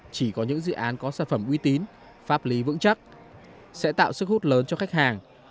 chỉ có những dự án có sản phẩm uy tín pháp lý vững chắc sẽ tạo sức hút lớn cho khách hàng